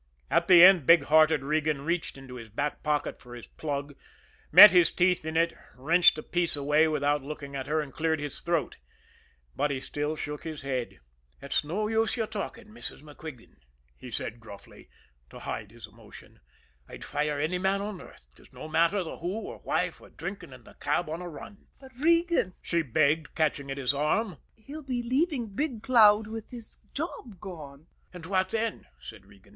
At the end, big hearted Regan reached into his back pocket for his plug, met his teeth in it, wrenched a piece away without looking at her, and cleared his throat but he still shook his head. "It's no use you talking, Mrs. MacQuigan," he said gruffly, to hide his emotion. "I'd fire any man on earth, 'tis no matter the who or why, for drinking in the cab on a run." "But, Regan," she begged, catching at his arm, "he'll be leaving Big Cloud with his job gone." "And what then?" said Regan.